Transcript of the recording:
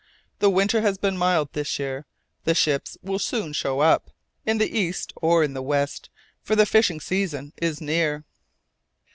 The winter has been mild this year. The ships will soon show up, in the east or in the west, for the fishing season is near."